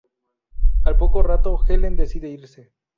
Al poco rato, Helen decide irse.